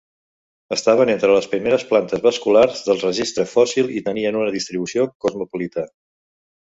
Estaven entre les primeres plantes vasculars del registre fòssil i tenien una distribució cosmopolita.